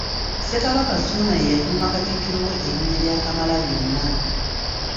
Ssekabaka Ssuuna ye yatuuma Katikkiro we erinnya lya Kamalabyonna.